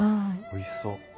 おいしそう。